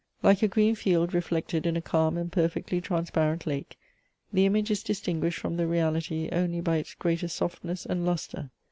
Like a green field reflected in a calm and perfectly transparent lake, the image is distinguished from the reality only by its greater softness and lustre.